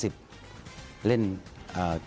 ที่วัดไอ้ไข่คอนเซิร์ตใหญ่